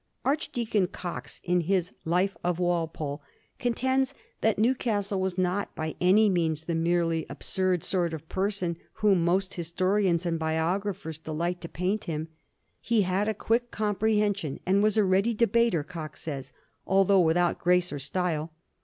Archdeacon Coxe, in his "Life of Walpole,'* contends that Newcastle was not by any means the merely absurd sort of person whom most historians and biographers de light to paint him. " He had a quick comprehension and was a ready debater," Coxe says, although without grace or style.